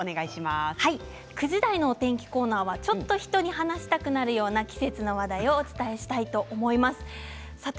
９時台のお天気コーナーはちょっと人に話したくなるような季節の話題をお伝えしたいと思います。